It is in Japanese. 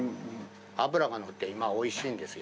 脂がのって今おいしいんですよ。